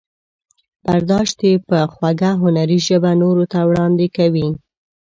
برداشت یې په خوږه هنري ژبه نورو ته وړاندې کوي.